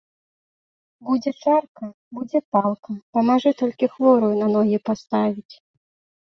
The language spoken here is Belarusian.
Будзе чарка, будзе палка, памажы толькі хворую на ногі паставіць.